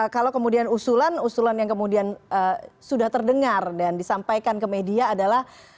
kalau kemudian usulan usulan yang kemudian sudah terdengar dan disampaikan ke media adalah